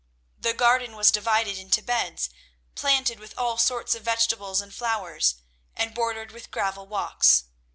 The garden was divided into beds planted with all sorts of vegetables and flowers, and bordered with gravel walks.